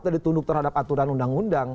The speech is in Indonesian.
tadi tunduk terhadap aturan undang undang